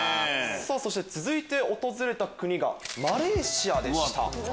そして続いて訪れた国がマレーシアでした。